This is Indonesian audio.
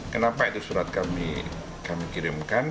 kenapa itu surat kami kirimkan